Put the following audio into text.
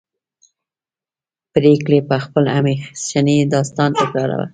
پريګلې به خپل همیشنی داستان تکراروه